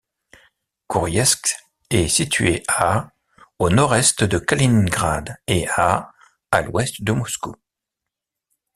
Gourievsk est située à au nord-est de Kaliningrad et à à l'ouest de Moscou.